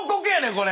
これ。